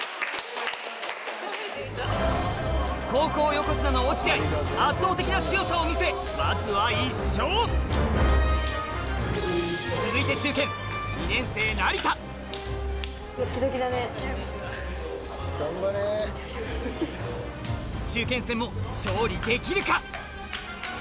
高校横綱の落合圧倒的な強さを見せまずは１勝続いて中堅戦も勝利できるか？